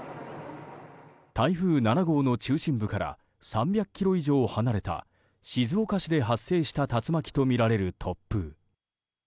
台風７号の中心部から３００ｋｍ以上離れた静岡市で発生した竜巻とみられる突風。